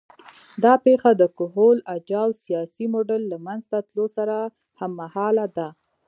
دا پېښه د کهول اجاو سیاسي موډل له منځه تلو سره هممهاله ده